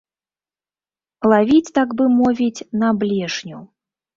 Лавіць, так бы мовіць, на блешню.